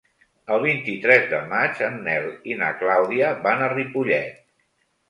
El vint-i-tres de maig en Nel i na Clàudia van a Ripollet.